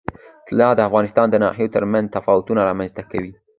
طلا د افغانستان د ناحیو ترمنځ تفاوتونه رامنځ ته کوي.